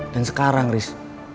dan sekarang riz